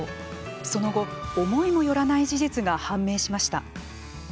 その後、思いも寄らない事実が判明しました。